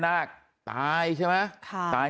สวัสดีครับคุณผู้ชาย